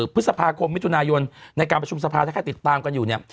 พฤษภาคมมิถุนายนในการประชุมสภาถ้าใครติดตามกันอยู่เนี่ย